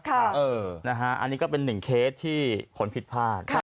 อันนี้ก็เป็นหนึ่งเคสที่ผลผิดพลาด